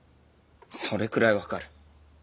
それくらい分かる。